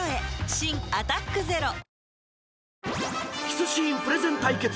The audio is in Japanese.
［キスシーンプレゼン対決。